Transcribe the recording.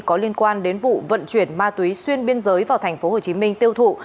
có liên quan đến vụ vận chuyển ma túy xuyên biên giới vào thành phố hồ chí minh tiêu thụ